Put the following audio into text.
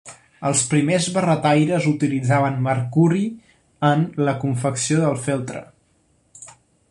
Els primers barretaires utilitzaven mercuri en la confecció del feltre.